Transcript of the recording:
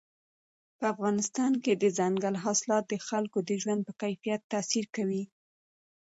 په افغانستان کې دځنګل حاصلات د خلکو د ژوند په کیفیت تاثیر کوي.